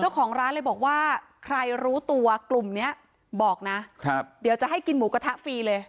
เจ้าของร้านเลยบอกว่าใครรู้ตัวกลุ่มนี้บอกนะครับเดี๋ยวจะให้กินหมูกระทะฟรีเลย